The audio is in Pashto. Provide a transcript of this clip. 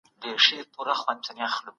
سیاست پوهنه د سولې او ثبات لپاره ده.